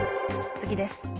次です。